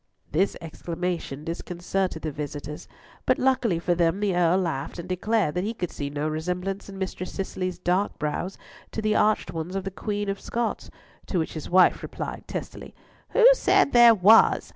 This exclamation disconcerted the visitors, but luckily for them the Earl laughed and declared that he could see no resemblance in Mistress Cicely's dark brows to the arched ones of the Queen of Scots, to which his wife replied testily, "Who said there was?